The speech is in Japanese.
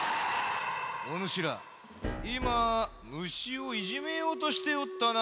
おぬしらいま虫をいじめようとしておったな？